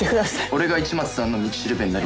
俺が市松さんの道しるべになります。